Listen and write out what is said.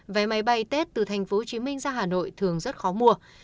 vé máy bay tết từ tp hcm ra hà nội thường rất khó mua